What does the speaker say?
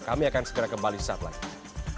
kami akan segera kembali setelah itu